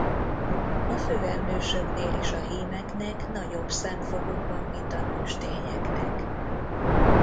A főemlősöknél is a hímeknek nagyobb szemfoguk van mint a nőstényeknek.